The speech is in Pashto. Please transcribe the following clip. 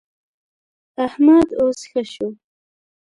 احمد اوس ښه شو.